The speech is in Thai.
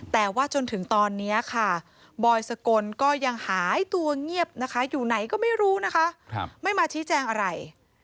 แต่ว่าจนถึงตอนนี้ค่ะบอยสกลก็ยังหายตัวเงียบนะคะอยู่ไหนก็ไม่รู้นะคะไม่มาชี้แจงอะไร